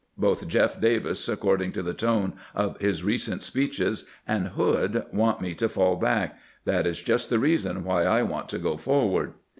Both Jeff Davis, according to the tone of his recent speeches, and Hood want me to fall back. That is just the reason why I want to go forward."